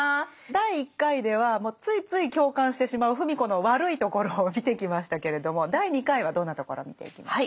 第１回ではついつい共感してしまう芙美子の悪いところを見てきましたけれども第２回はどんなところを見ていきますか？